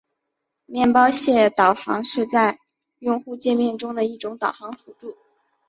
面包屑导航是在用户界面中的一种导航辅助。